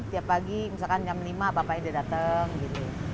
tiap pagi misalkan jam lima bapaknya dia datang gitu